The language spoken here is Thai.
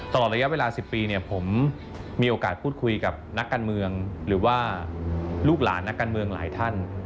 ตลอดระยะเวลา๑๐ปีเนี่ยผมมีโอกาสพูดคุยกับนักการเมืองหรือว่าลูกหลานนักการเมืองหลายท่าน